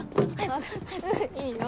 あっうんいいよ。